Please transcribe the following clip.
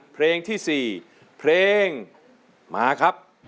เพลงที่๔เพลงมาครับ